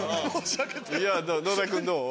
いや野田君どう？